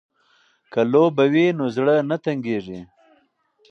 که لوبه وي نو زړه نه تنګیږي.